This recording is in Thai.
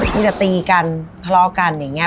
ทีจะตีกันทะเลากันไง